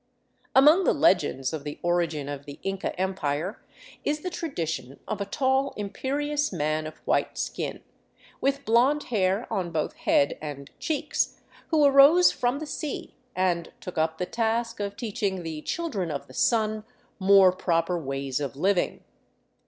Among the legends of the origin of the Inca Empire is the tradition of a tall, imperious man of white skin, with blond hair on both head and cheeks, who arose from the sea and took up the task of teaching the Children of the Sun more proper ways of living.